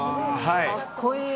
かっこいい。